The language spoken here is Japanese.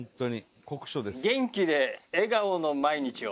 「元気で笑顔の毎日を」